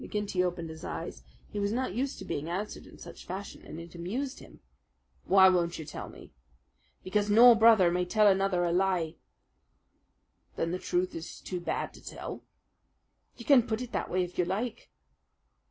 McGinty opened his eyes. He was not used to being answered in such fashion, and it amused him. "Why won't you tell me?" "Because no brother may tell another a lie." "Then the truth is too bad to tell?" "You can put it that way if you like."